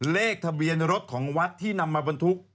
เลขทะเบียนรถของวัดที่นำมาบรรทุก